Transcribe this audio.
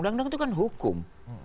undang undang itu kan hukum